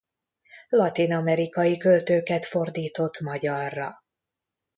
Latin-amerikai költőket fordított magyarra.